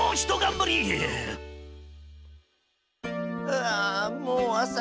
ふあもうあさか。